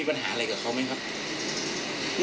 ถ้าเขาถูกจับคุณอย่าลืม